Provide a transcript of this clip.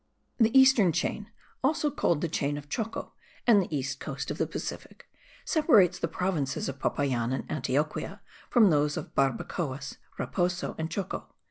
The eastern chain, also called the chain of Choco and the east coast (of the Pacific), separates the provinces of Popayan and Antioquia from those of Barbacoas, Raposo and Choco.